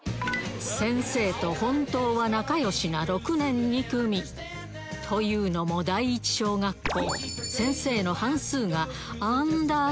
先生と本当は仲良しな６年２組というのも第一小学校